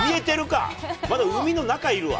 まだ海の中いるわ。